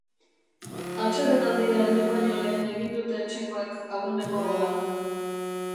Atsedenaldira heldu baino lehen egin dute etxekoek aurreneko gola.